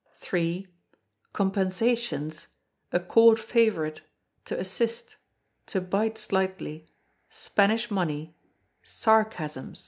Compensations, a court favourite, to assist, to bite slightly, Spanish money, sarcasms.